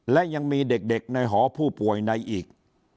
และยังมีเด็กในหอผู้ป่วยในอีก